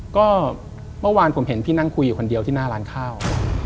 ก็เมื่อวานผมเห็นพี่นั่งคุยอยู่คนเดียวที่หน้าร้านข้าว